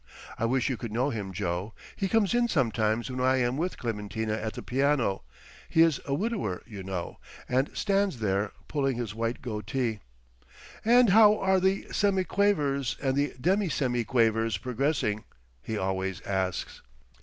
I wish you could know him, Joe. He comes in sometimes when I am with Clementina at the piano—he is a widower, you know—and stands there pulling his white goatee. 'And how are the semiquavers and the demisemiquavers progressing?' he always asks.